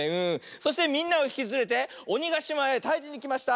そしてみんなをひきつれておにがしまへたいじにきました！